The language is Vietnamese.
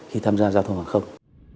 khi tham gia giao thông hàng không